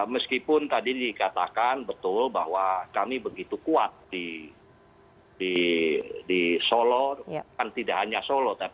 meskipun tadi dikatakan betul bahwa kami begitu kuat di solo kan tidak hanya solo